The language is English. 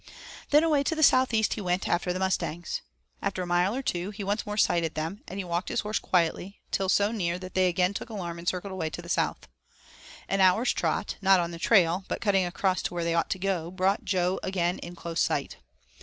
Then away to the southeast he went after the mustangs. After a mile or two he once more sighted them, and walked his horse quietly till so near that they again took alarm and circled away to the south. An hour's trot, not on the trail, but cutting across to where they ought to go, brought Jo again in close sight.